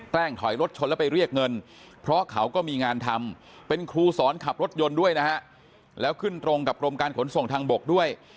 ที่สอนขับรถยนต์ด้วยนะฮะแล้วขึ้นตรงกับโครงการขนส่งทางบกด้วย